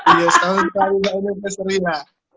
iya selalu selalu ada peserian